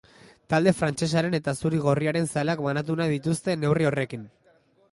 Talde frantsesaren eta zuri-gorriaren zaleak banatu nahi dituzte neurri horrekin.